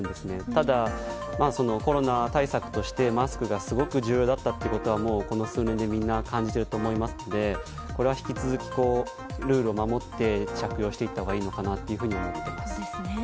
ただ、コロナ対策としてマスクがすごく重要だったことはこの数年で感じていると思いますのでこれは引き続きルールを守って着用していったのがいいかなと思います。